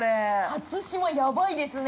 ◆初島やばいですね。